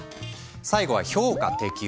最後は評価適応。